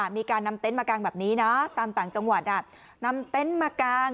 มีการนำเต็นต์มากางแบบนี้นะตามต่างจังหวัดนำเต็นต์มากาง